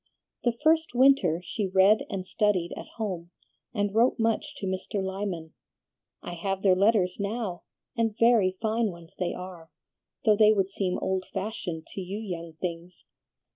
The first winter she read and studied at home, and wrote much to Mr. Lyman. I have their letters now, and very fine ones they are, though they would seem old fashioned to you young things.